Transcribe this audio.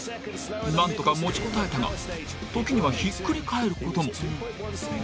なんとか持ちこたえたが時にはひっくり返ることも。